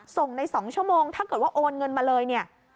ส่งใน๒ชั่วโมงถ้าเกิดว่าโอนเงินมาเลยเนี่ย